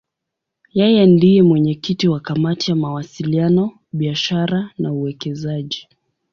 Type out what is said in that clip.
Yeye ndiye mwenyekiti wa Kamati ya Mawasiliano, Biashara na Uwekezaji.